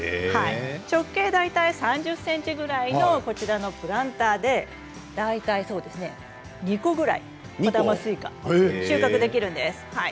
直径３０ｃｍぐらいのプランターで、大体２個ぐらい小玉スイカ収穫できるんです。